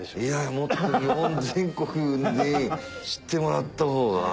もっと日本全国に知ってもらったほうが。